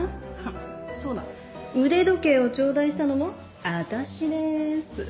そうだ腕時計を頂戴したのも私です。